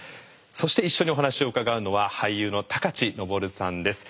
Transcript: そして一緒にお話を伺うのは俳優の高知東生さんです。